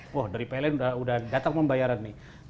wah dari pln udah datang membayaran nih